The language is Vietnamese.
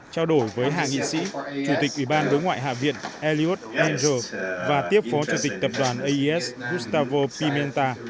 trao đổi với hạ nghị sĩ chủ tịch ủy ban đối ngoại hạ viện elliot andrew và tiếp phó chủ tịch tập đoàn aes gustavo pimenta